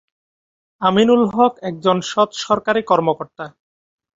আমিনুল হক একজন সৎ সরকারি কর্মকর্তা।